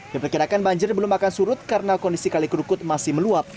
diperkirakan banjir belum akan surut karena kondisi kali kerukut masih meluap